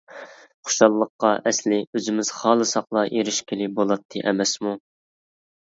خۇشاللىققا ئەسلى ئۆزىمىز خالىساقلا ئېرىشكىلى بولاتتى ئەمەسمۇ.